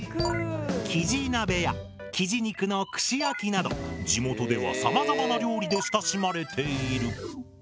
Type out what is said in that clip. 「きじ鍋」や「きじ肉の串焼き」など地元ではさまざまな料理で親しまれている。